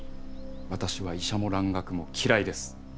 私は医者も蘭学も嫌いです！